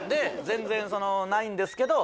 全然そのないんですけど